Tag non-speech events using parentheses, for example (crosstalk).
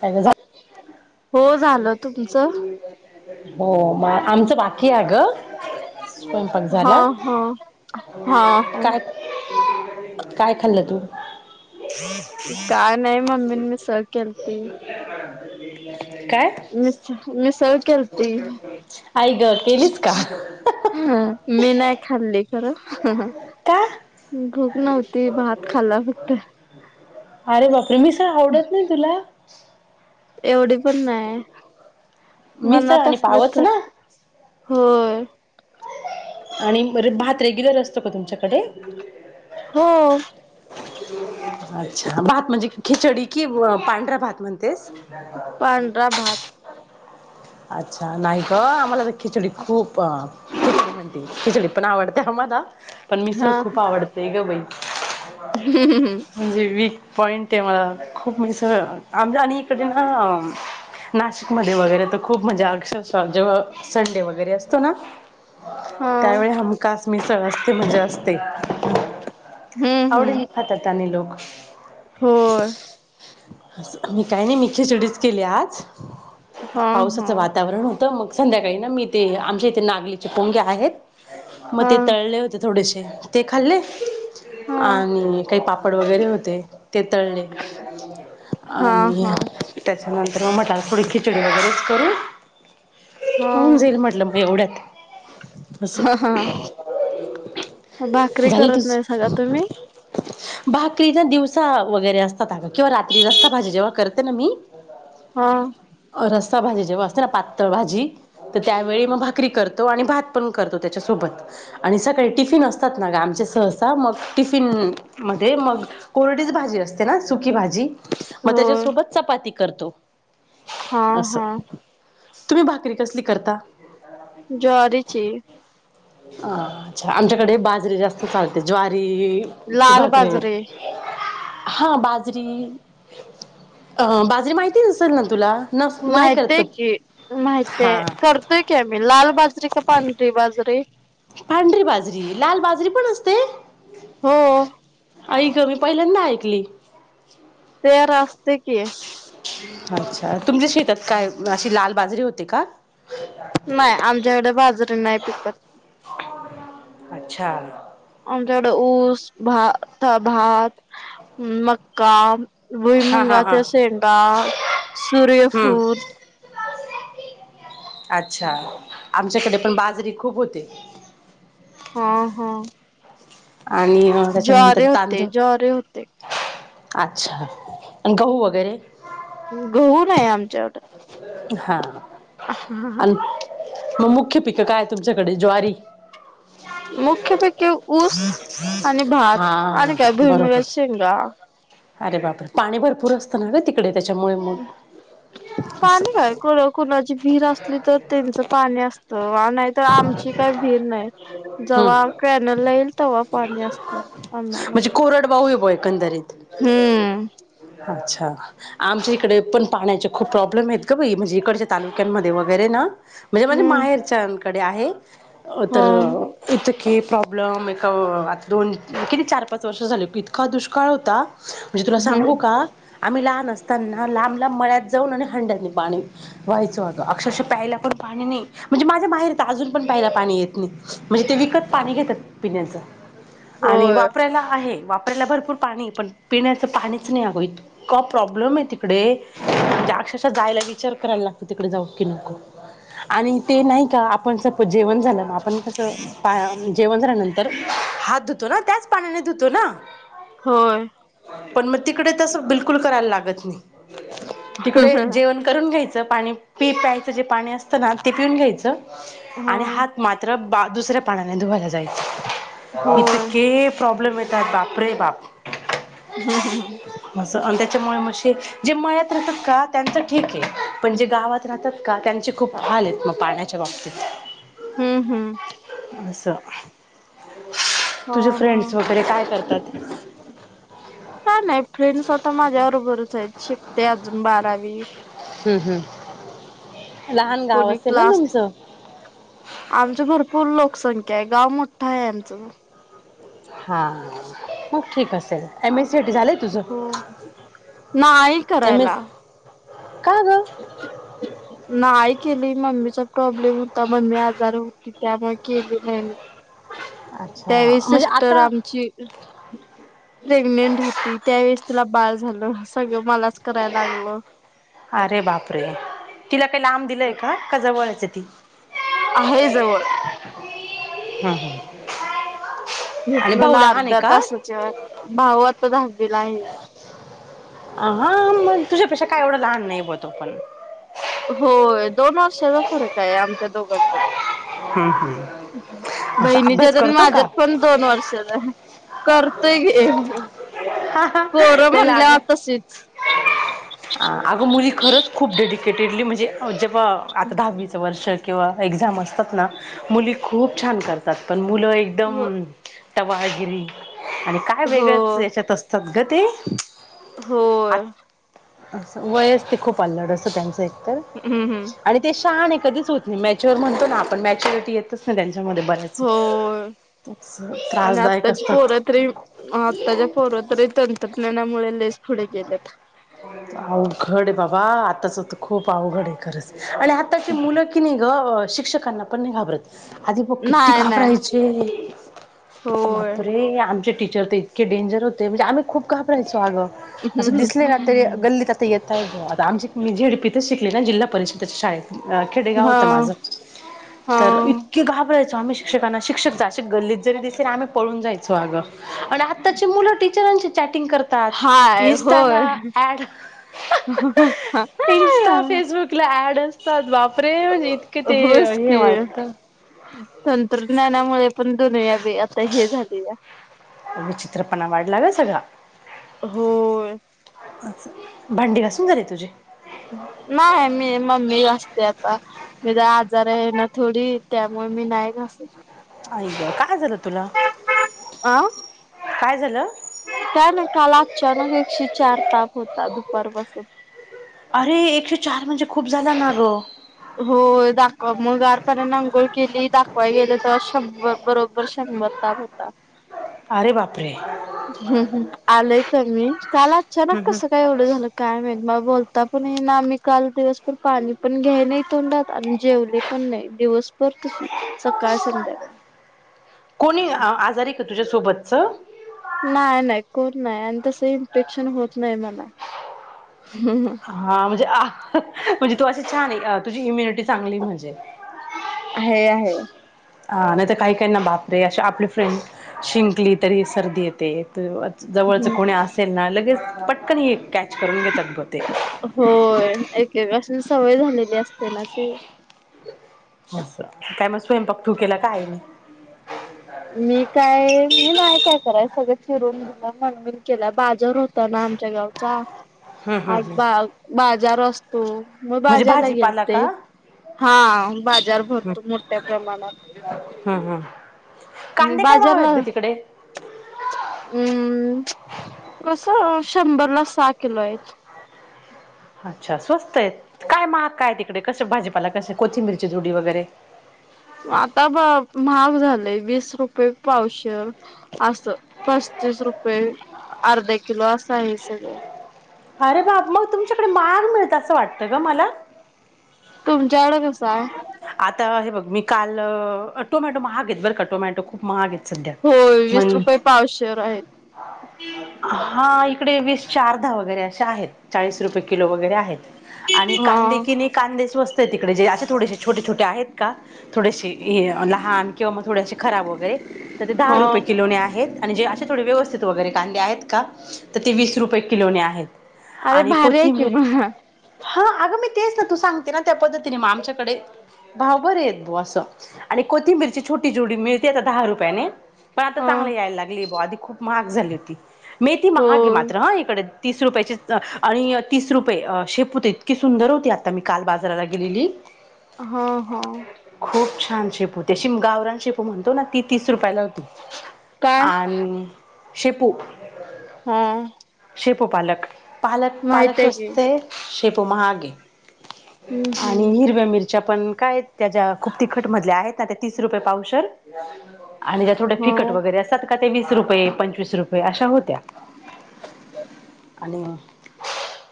काय ग झालं हो झालं तुमचं हो आमचं बाकी आहे ग स्वयंपाक हा झाला हा हा हा काय काय खाल्लं तू काय नाही मम्मी मिसळ केलती (inaudible) मिसळ केलती आई ग केलीस का हा मी नाही खाल्ली का भूक नव्हती भात खाल्ला फक्त अरे बाप रे मिसळ आवडत नाही तुला एवढी पण नाही मिसळ मनात आणि असलं पावच तर ना होय आणि रे भात रेग्युलर असतो का तुमच्याकडे हो अच्छा भात म्हणजे खिचडी कि पांढरा भात म्हणतेस (inaudible) पांढरा भात अच्छा नाही का आम्हाला तर खिचडी खूप ख म्हणती खिचडी पण आवडते आम्हाला पण मिसळ हा खूप आवडतेय ग बाई म्हणजे मी पॉईंट आहे मला खूप मिसळ आम आणि इकडे ना नाश मध्ये वगैरे तर खूप म्हणजे अक्षरः जेव्हा संडे वगैरे असतो ना हा त्यावेळी हमखास मिसळ असते म्हणजे असते हम्म हम्म आवडीने खातात आणि लोक होय. मी काय नाई मी खिचडीच केल्या आज हा हा पावसाचं वातावरण हो त मग संध्याकाळी ना मी ते आमच्या इथे नागलीचे पोंगे आहेत म हा ते तळले होते थोडे ते खाल्ले. हा आणि काही पापड वगैरे होते ते तळले. हा आणि हा त्या त्याच्यानंतर मटार खिचडी वगैरेच करू हा होऊन जाईल म्हटलं म एवढ्यात अस. म भाकरी करत नाहीसाका तुम्ही? भाकरी तेन दिवसा वगैरे असतात आग किंवा रात्री रस्सा भाजी जेव्हा करते म मी हां. रस्सा भाजी जेव्हा असते ना पातळ भाजी तर त्यावेळी म भाकरी करतो आणि भात पण करतो त्याच्या सो सोबत आणि सकाळी टिफिन असतात ना ग आमचे सहसा मग टिफिन मध्ये मग कोरडीच भाजी असते ना सुकी भाजी म त्याच्यासोबत चपाती करतो. हां असं हां. तुम्ही भाकरी कसली करता? ज्वारीची. अ अच्छा आमच्याकडे बाजरीे जास्त चालते ज्वारी ते चि लाल भाकरी बाजरी हाय हा बाजरी अ बाजरी माहिती नसेल ना तुला. नस नाही माहिती करत हाय का की माहिती हाय हा करतोय की आम्ही लाल बाजरी का पांढरी बाजरी? पांढरी बाजरी लाल बाजरी पण असते. हो. आई गं मी पहिल्यांदा ऐकली. तयार आसतय की. अच्छा तुमच्या शेतात काय अशी लाल बाजरी होते का. नाई आमच्याकडे बाजारी नाई पिकत. अच्छा. आमच्याकड ऊस भात भात. मक्का, हा हा हा भुईमंगाचा शेंंगा, हम्म सूर्यफुल अच्छा आमच्याकडे पण बाजरी खूप होते. हां हां. आणि म त्याच्यानंतर तांदूळ ज्वारी होते अच्छा आणि गहू वगैरे. गहून नाही आमच्या कड. हा. ह ह हा. म मुख्य पिकं काय तुमच्याकडे ज्वारी. मुख्यपैकी ऊस आणि भात हां आणि काय बरोबर. भुईमुगाच्या शेंगा अरे बापरे पाणी भरपूर असतं ना का तिकडे त्याच्यामुळे मग. पाणी असं काय कुण कुणाची विहिर आसली तर त्यांच पाणी असत आ नाहीतर आमची का काय विहीर नाही जेव्हा हम्म कॅनल ला येईल तव्हा पाणी असत अन्नाला. दरीत अच्छा आमच्या इकडे पण पाण्याच्या खूप प्रॉब्लेम हैत ग बाई म्हणजे इकडच्या तालुक्यांमध्ये वगैरे ना म्हणजे माझ्या हम्म माहेरच्यानकडे आहे. अ तर हा (unintelligible) हे प्रॉब्लेम एक आता दोन किती चार पाच वर्ष झाली इतका दुष्काळ होता. म्हणजे तुला सांगू हम्म का आम्ही लहान असताना लांब लांब मळ त हंड्यातल पाणी व्हायच होत अक्षरश प्यायला पण पाणी नाही म्हणजे माझ्या माहेर अजून पण प्यायला पाणी येत नई म्हणजे ते विकत पाणी घेत्यात पिण्याच. आणि होय वापरायला आहे वाप आपल्याला भरपूर पाणी पण पिण्याचं पाणीच नाही अगं इतकां प्रॉब्लेम आहे तिकडे म्हणजे अक्षरशः जायला विचार करायला लागतो तिकडे जाऊ की नको आणि ते नाही का आपणच जेवण झालं आपण कस पा जेवण झाल्यानंतर हात धुतो ना त्याच पाण्याने धुतो ना हो पण मग तिकडे तसं बिलकुल करायला लागत नाही तिकडे जेवण करून घ्यायचं पाणी प प्यायचं जे पाणी असतं ना ते पिऊन घ्यायचं हा आणि हात मात्र बा दुसऱ्या पानाने धुवायला जाय इथं होय के प्रॉब्लेम येतात बापरे बाप हम् हम् ह आणि त्याच्यामुळे म जे मयात राहतात का त्यांचं ठीक आहे पण जे गावात राहतात का त्यांचे खूप हाल आहेत मग पाण्याच्या बाबतीत हम्म हम्म अससं... हा हा... करतात काय नाही फ्रेंडस आता माझ्या बरोबरच आहेत शिकते अजून बारावी... हम्म हम्म... लहान गाव कोणी असेल ना क्लास तुमचं आमच भरपूर लोक... लोकसंख्या आहे गाव मोठा आहे आमच ज.. हां मग ठीक असेल एम ए सीट झालंय तुझं... हो नाही एम एस करायला... का ग? (unintelligible) नाही केली मम्मीचा प्रॉब्लेम होता मम्मी आजार होती त्यामुळे केली नाही मी.... अच्छा म्हणजे त्यावेलीसिस्टर आता आमची... प्रेग्नेंट होती त्यावेेळेस तुला बाळ झालं सगळं मलाच करायला लागलं.. अरे बापरे तिला काही लांब दिलंय का का जवळच ती... आहे जवळ... हम्म हम्... घेतल ना अर्ध्या तासाच्या भाव आता दाहवीला आहे.. ह हा म तुझ्यापेक्षा काय एवढं लहान नाही बतो पण... होय दोन वर्षाचा फरक आहे आमच्या दोघांच्या... हम्म हम्म असा बहिणीच्या अभ्यास आणि करतो माझ्यात का पण दोन वर्षच.. करतय घे... ते लागे अगं मुली खरच खूप.. डिकेटेडली म्हणजे जेव्हा आता दहावीचं वर्ष... किं एक्झाम असतात ना मुली खूप छान करतात पण मुलं हो एकदम... टवाळगिरी आणि काय हो वेगळ्याच याच्यात असत... असतात ग ते... होय अस वयस ते खूप आल्लड असं त्यांचं एकतर हम्म हम्म आणि ते शान... कधीच होत नाही मॅच्युर म्हणतो ना आपण मॅच्युरिटी येतच ना त्यांच्यामध्ये बऱ्याच.. होय आणि त्रासदायक आताची असतात पोरत आताच्या पोरत... तंत्रज्ञानामुळे लयच पुढे गेलेत अवघड आहे बाबा आताच होत खूप अवघड आहे खरंच.. आणि आताची मुलं कि नी शिक्षकांना पण घाबरत.. आधी ब किती नाय नाय घाबरायचे होय बाप रे आमचे टीचर... इतके डेंजर होते म्हणजे आम्ही खप घाबरायचो आग असं दिसले... तरी गल्लीत आता येत आहे आता आमची मी झेडपीतच शिकले ना जिल्हा परिषद त्याच्या शाळेत... अ खेडेगाव हा होत माझं हा तर इतके घाबराय... आम्ही शिक्षकांना शिक्षक जर असे गल्लीत जरी दिसले ना आम्ही पळून जायचो अग आणि आताची मुल टिचराशी चॅटिंग.. चैटिंग करतात हाय होय इंस्टला... एड इंस्टा फेसबुक एड असतात. बापरे फ्री म्हजे इतके ते होयच हे की वाटत.. तंत्रज्ञानामुळे पण दुनिया बी आता हे झालीया... विचित्रपणा वाढला ग सगळा... होय... च भांडी घासून झाले तुझे... नाय आहे मी मम्मी... ते आता मी आजार आहे ना थोडी त्यामुळे मी नाही घसत... आई ग काय झाल तुला अं काय झाल... काय नाही काल अचानक एकशे चार ताप होता दुपार पासुन.... अरे एकशे चार म्हणजे खूप झाला ना ग... हो दा... गार पाण्यानीअंघोळ केली दाखवाय गेले तर शंभर बरोबर शंभर ताप होता अरे बाप हम् ह आलय कामी काल अचानक हम् हम् कस काय एवढ झालं काय माहित मग बोलता पण ना आम्ही काल दिवस पर पाणी पण घ्याय नाही तोंडात आणि जेवले पण नाही दिवस कोणी आजारी का तुझ्यासोबत अच्छ नाही नाही कोण नाही आणि तस इन्फेक्शन होत नाही मला हा म्हणजे म्हणजे तू अशी छान आहे तुझी इम्युनिटी चांगली मजेत आहे आहे. ह नाहीतर काही काहीना बापरे असे आपले फ्रेंड शिंकलीत तरी सर्दी येते त जवळच कोणी असेल ना लगेच पटकनही कॅच करून घेतात बघ होते होय एक कासनी सवय झालेली असते ना ती अस काय मग स्वयंपाक तु क केला का आईने मी काय मी नाही काय कराय सगळ फिरून दिला मनवन केला बाजार होता ना आमच्या गावचा हम्म हम्म आज हम्म बा बाजार असत मग म्हणजे बाजारला गेल भाजीपाला ते का हम्म हा बाजार भरतो मोठ्या प्रमाणात हम् हम बाजारला हम् कस शंभर ला सहा किलो आहेत अच्छा स्वस्त आहेत काय महाग काय तिकडे कस भाजीपाला कोथिंबीरची जोडी वगैरे आता ब महाग झालंय वीस रुपय पावशेर अस पस्तीस रुपये अर्धा किलो अस आहे ह अरे बा मग तुमच्याकडे महाग मिळत अस वाटत ग मला तुमच्याकडे कसं आहे आता हे बघ मी काल टोमॅटो महाग घेत बरं का टोमॅटो खूप महागेत सध्या होय वीस मण रुपये पावशेर आहेत हा इकडे वीस चारधहा वगैरे असे आहेत चाळीस रुपये किलो वगैरे आहेत आणि कांदे हा किने कांदेच वस्त आहेत तिकडे जे असे थोडेसे छोटे छोटे आहेत का थोडेसे लहान किंवा मग थोडेसे खराब वगैरे तरी दहा हा रुपय किलो नी आहेत आणिे अे थोडे व्यस्थित वगैरे कांदे आहेत का तर ते वीस रुपये किलो नी आहेत अरे आणि भारी आहे कि कोथिंबीर मग हा अगं मी तेच ना तू सांगते ना त्या पद्धतीने मग आमच्याकडे भाव बरे आहेत हो असं आणि कोथिंबीरची छोटी छोटी मिळते आता दहा रुपयाने पण आता हा चांगले व्हायला लागले बा आधी खूप महाग झाली होती मेथी ती महाग आहे होय मात्र हा इकडे तीस रुपयाची आणि तीस रुपये शेपू होते इतकी सुंदर होती आता मी काल बाजाराला गेलेली हा हा खूप छान शेपू त्या गावरान शेपू म्हणतो ना ती तीस रुपयाला होती काय आणि शेपू हा शेपू पालक पालक माहित पालक आहे की असते शेपू महाग हम्म आणि हम्म हिरव्या मिरच्या पण काय त्याच्या खूप तिखट मधल्या आहेत तिस रुपये पाव पण आणि त्या थोड्या तिखट हा वगैरे असतात का रुपये पंचवीस रुपये अशा होत्या आणि